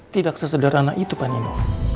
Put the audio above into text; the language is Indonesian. tidak sesederhana itu pak nino